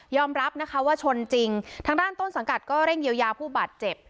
รับนะคะว่าชนจริงทางด้านต้นสังกัดก็เร่งเยียวยาผู้บาดเจ็บ